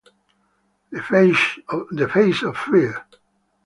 The Face of Fear